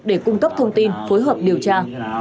để cung cấp thông tin phối hợp điều tra